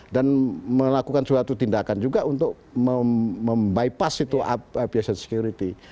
dan melakukan suatu tindakan juga untuk membaipas itu aviation security